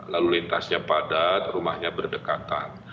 lalu lintasnya padat rumahnya berdekatan